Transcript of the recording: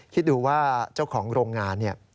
คิดดูว่าเจ้าของโรงงาน